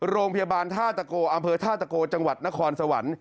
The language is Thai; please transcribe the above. โรงพยาบาลท่าตะโกอำเภอท่าตะโกจังหวัดนครสวรรค์